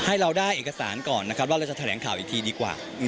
ให้เราได้เอกสารก่อนนะครับว่าเราจะแถลงข่าวอีกทีดีกว่า